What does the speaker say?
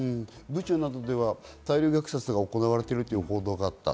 ブチャなどでは大量虐殺が行われているという報道があった。